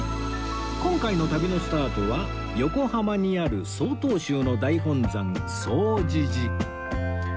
今回の旅のスタートは横浜にある曹洞宗の大本山總持寺